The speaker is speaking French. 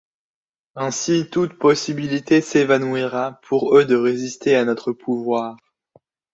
Ainsi toute possibilité s'évanouira pour eux de résister à notre pouvoir.